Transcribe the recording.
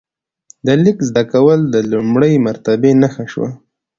د لیک زده کول د لوړې مرتبې نښه شوه.